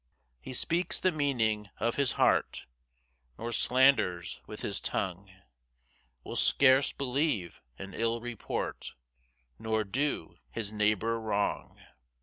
3 He speaks the meaning of his heart, Nor slanders with his tongue; Will scarce believe an ill report, Nor do his neighbour wrong.